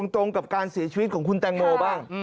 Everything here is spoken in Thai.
ตรงกับการเสียชีวิตของคุณแตงโมบ้าง